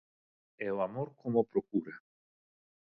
E o amor como procura.